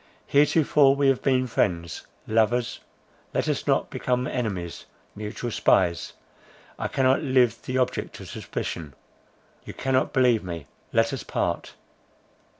Heretofore we have been friends—lovers—let us not become enemies, mutual spies. I cannot live the object of suspicion—you cannot believe me—let us part!"